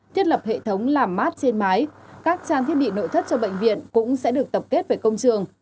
thiết lập hệ thống làm mát trên mái các trang thiết bị nội thất cho bệnh viện cũng sẽ được tập kết về công trường